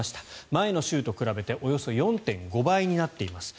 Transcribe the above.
前の週と比べておよそ４．５倍になっています。